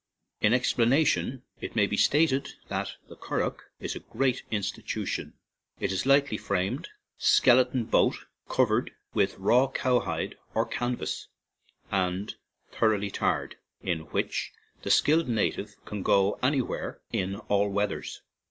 (In ex planation it may be stated that the cur ragh is a great institution : it is a lightly framed, skeleton boat covered with raw cowhide or canvas and thoroughly tarred, in which the skilled native can go any where in all weathers.